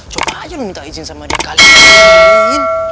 coba aja lu mau minta izin sama dia kalian